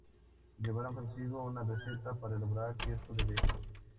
Llevaron consigo una receta para elaborar queso de oveja.